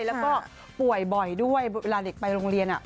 แล้วก็ป่วยบ่อยด้วยเวลาเด็กไปโรงเรียน